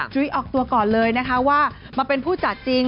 ออกตัวก่อนเลยนะคะว่ามาเป็นผู้จัดจริง